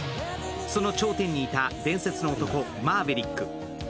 その頂点にいた伝説の男・マーヴェリック。